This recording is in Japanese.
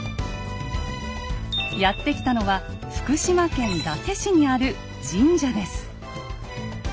やって来たのは福島県伊達市にある神社です。